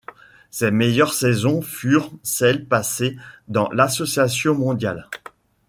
Ses meilleures saisons furent celles passées dans l'Association mondiale.